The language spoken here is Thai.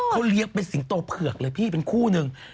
เขาเรียกเป็นสิงโกเผือกเป็นคู่นึง